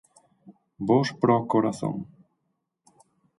Bos para o corazón.